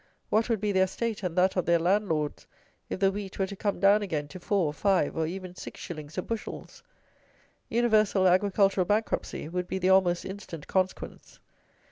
What would be their state, and that of their landlords, if the wheat were to come down again to 4, 5, or even 6 shillings a bushels? Universal agricultural bankruptcy would be the almost instant consequence.